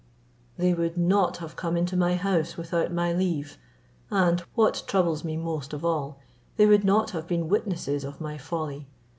They would not have come into my house without my leave; and, what troubles me most of all, they would not have been witnesses of my folly.